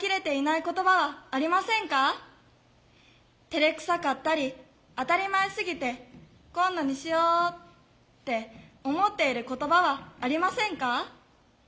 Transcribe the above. てれくさかったり当たり前すぎて今度にしようって思っている言葉はありませんか？